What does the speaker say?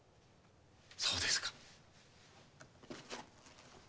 そうですか。